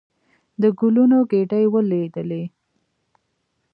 د ګلونو ګېدۍ ولېدلې.